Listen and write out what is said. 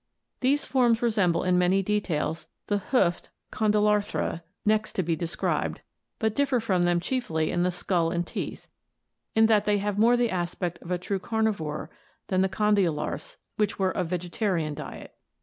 These forms resemble in many details the hoofed Condylarthra next to be described, but differ from them chiefly in the skull and teeth, in that they have more the aspect of a true carnivore than the condy larths which were of vegetarian diet.